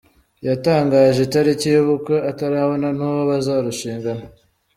Yatangaje itariki y’ubukwe atarabona nuwo bazarushingana